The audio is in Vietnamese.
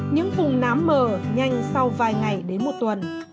những vùng nám mờ nhanh sau vài ngày đến một tuần